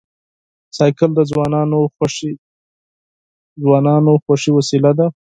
بایسکل د ځوانانو خوښي وسیله ده.